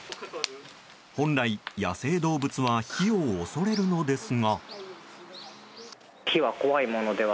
本来、野生動物は火を恐れるのですが。